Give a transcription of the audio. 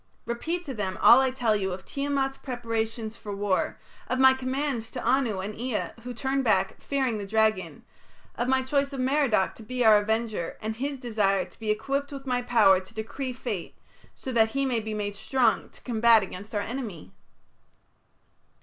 Repeat to them all I tell you of Tiamat's preparations for war, of my commands to Anu and Ea, who turned back, fearing the dragon, of my choice of Merodach to be our avenger, and his desire to be equipped with my power to decree fate, so that he may be made strong to combat against our enemy."